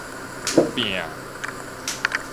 拚